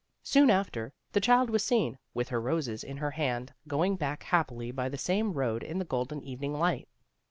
Soon after, the child was seen, with her roses in her hand, going back happily by the same road in the golden evening light.